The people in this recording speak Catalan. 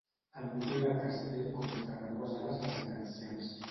El nucli del castell consta de dues ales residencials.